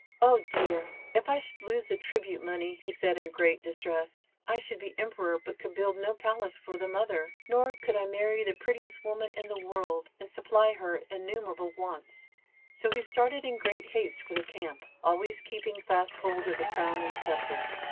"Oh dear! if I should lose the tribute money," he said, in great distress; "I should be emperor but could build no palace for the mother, nor could I marry the prettiest woman in the world, and supply her innumerable wants;" so he started in great haste for the camp, always keeping fast hold of the crown and scepter.